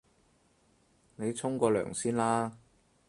你沖個涼先啦